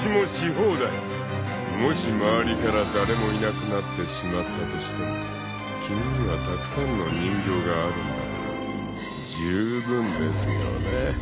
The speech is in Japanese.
［もし周りから誰もいなくなってしまったとしても君にはたくさんの人形があるんだから十分ですよね］